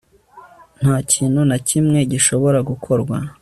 nta kintu na kimwe gishobora gukorwa